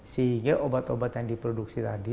sehingga obat obat yang diproduksi tadi